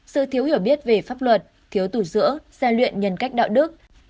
sự thiếu hiểu biết về pháp luật thiếu tủ dỡ gian luyện nhân cách đạo đức